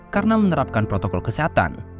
karena menerapkan protokol kesehatan